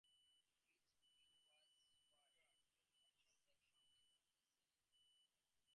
The breech ring was square in section and on a side.